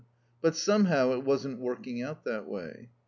But somehow it wasn't working out that way.